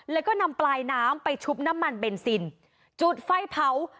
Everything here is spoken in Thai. แล้วก็นำปลายน้ำไปชุบน้ำมันเบนซินจุดไฟเผา